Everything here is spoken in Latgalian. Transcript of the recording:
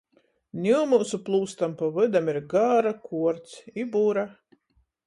Niu myusu plūstam pa vydam ir gara kuorts i bura!